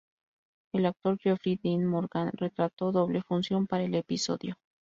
El actor Jeffrey Dean Morgan retrató doble función para el episodio.